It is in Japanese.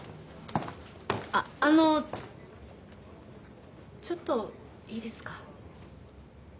あっあのちょっといいですか？